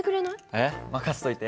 えっ任しといて。